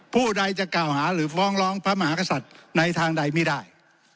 ผู้ใดจะกล่าวหาหรือฟ้องร้องพระมหากษัตริย์ในทางใดไม่ได้